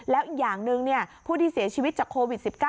แล้วอีกอย่างหนึ่งผู้ที่เสียชีวิตจากโควิด๑๙